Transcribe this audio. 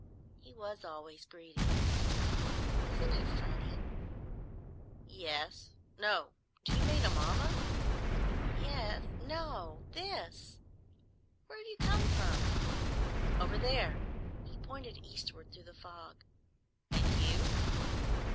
He was always greedy. Isn't it funny?" "Yes. No. Do you mean Amomma?" "Ye—es. No. This. Where have you come from?" "Over there," He pointed eastward through the fog. "And you?"